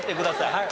はい。